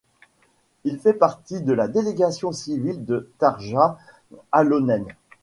Il fait partie de la délégation civile de Tarja Halonen.